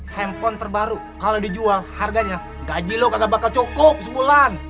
handphone terbaru kalau dijual harganya gaji lok agak bakal cukup sebulan